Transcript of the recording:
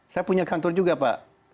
saya punya kantor juga pak